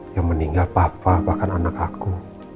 yang meninggal papa bahkan anak aku